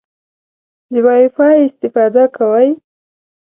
د وای فای استفاده کوئ؟